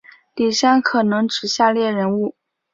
李珊可能指下列人物